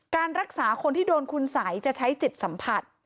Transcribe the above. การรักษาคนที่โดนคุณสัยจะใช้จิตสัมผัส